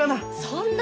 そんな。